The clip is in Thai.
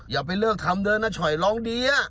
อย่าไปเลิกทำเด้อน้าชอยร้องดีอะ